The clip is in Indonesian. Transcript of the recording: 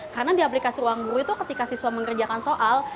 karena di aplikasi ruangguru itu ketika siswa mengerjakan soal